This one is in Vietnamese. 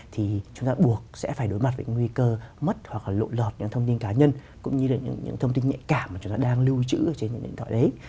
thì chúng ta buộc sẽ phải đối mặt với nguy cơ mất hoặc lộ lọt những thông tin cá nhân cũng như là những thông tin nhạy cảm mà chúng ta đang lưu trữ ở trên những điện thoại đấy